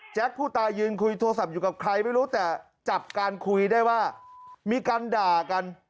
ผู้ตายยืนคุยโทรศัพท์อยู่กับใครไม่รู้แต่จับการคุยได้ว่ามีการด่ากัน